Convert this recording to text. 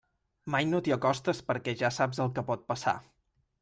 Mai no t'hi acostes perquè ja saps el que pot passar.